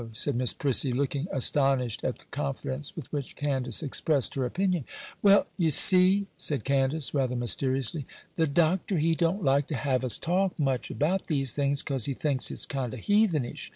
said Miss Prissy, looking astonished at the confidence with which Candace expressed her opinion. 'Well, ye see,' said Candace, rather mysteriously, 'the Doctor he don't like to have us talk much about these things, 'cause he thinks it's kind o' heathenish.